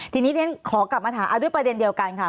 ทีนี้เรียนขอกลับมาถามเอาด้วยประเด็นเดียวกันค่ะ